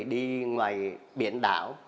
đi ngoài biển đảo